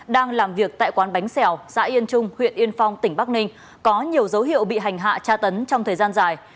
đang làm việc tại quán bánh xèo xã yên trung huyện yên phong tỉnh bắc ninh có nhiều dấu hiệu bị hành hạ tra tấn trong thời gian dài